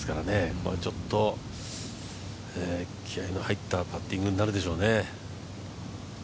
ここはちょっと、気合いの入ったパッティングになるでしょうね。